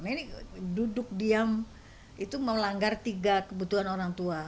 nah ini duduk diam itu melanggar tiga kebutuhan orang tua